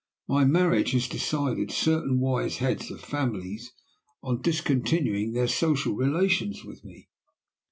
My marriage has decided certain wise heads of families on discontinuing their social relations with me.